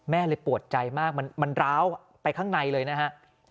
แม่เลยปวดใจมากมันร้าวไปข้างในเลยนะฮะ